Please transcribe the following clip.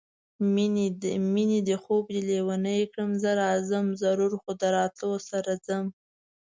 مېنې دې خوب دې لېونی کړه زه راځم ضرور خو د راتلو سره ځم